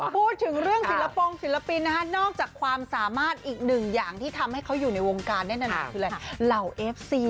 พูดถึงเรื่องศิลปงศิลปินนะฮะนอกจากความสามารถอีกหนึ่งอย่างที่ทำให้เขาอยู่ในวงการแน่นอนคืออะไรเหล่าเอฟซี